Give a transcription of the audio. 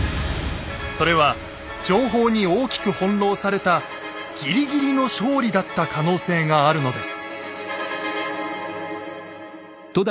それは情報に大きく翻弄されたぎりぎりの勝利だった可能性があるのです。